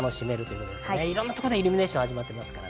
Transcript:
いろんな所でイルミネーションが始まっています。